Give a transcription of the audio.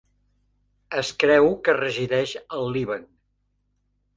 Es creu que resideix al Líban.